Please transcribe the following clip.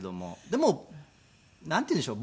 でもなんていうんでしょう。